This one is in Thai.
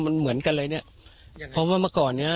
มันเหมือนกันเลยเนี้ยเพราะว่าเมื่อก่อนเนี้ย